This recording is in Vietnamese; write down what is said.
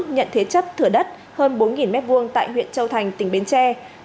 nhận thế chấp thừa đất hơn bốn m hai tại huyện châu thành tỉnh bến tre